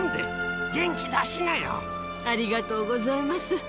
・ありがとうございます。